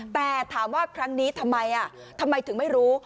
แต่ถามว่าครั้งนี้ทำไมทำไมถึงไม่รู้